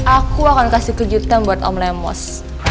aku akan kasih kejutan buat om lemos